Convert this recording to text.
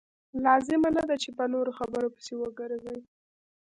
لازمه نه ده چې په نورو خبرو پسې وګرځئ.